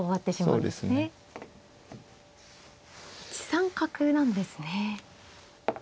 １三角なんですね。